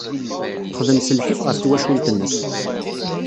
Texdem s lḥif ɣef twacult-nnes.